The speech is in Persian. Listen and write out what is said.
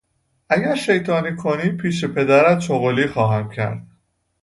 اگر شیطانی کنی پیش پدرت چغلی خواهم کرد.